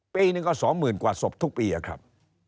ปีหนึ่งก็๒๐๐๐กว่าศพทุกปีครับ